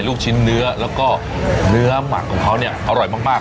ลูกชิ้นเนื้อแล้วก็เนื้อหมักของเขาเนี่ยอร่อยมาก